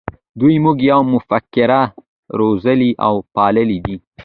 دوی د "موږ یو" مفکوره روزلې او پاللې ده.